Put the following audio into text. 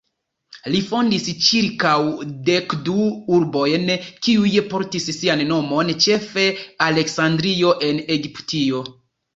Li fondis ĉirkaŭ dekdu urbojn kiuj portis sian nomon, ĉefe Aleksandrio en Egiptio.